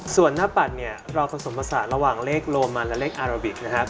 ส่วนหน้าปั่นเนี่ยเราผสมผสานระหว่างเลขโรมันและเลขอาราบิกนะครับ